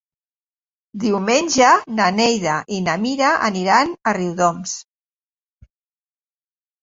Diumenge na Neida i na Mira aniran a Riudoms.